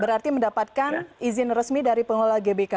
berarti mendapatkan izin resmi dari pengelola gbk